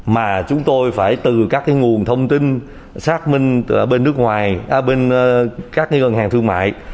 mà chúng tôi phải từ các nguồn thông tin xác minh bên nước ngoài bên các ngân hàng thương mại